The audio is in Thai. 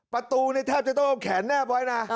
ประตูเทขจะต้องเอาแขนเนียบไว้นะ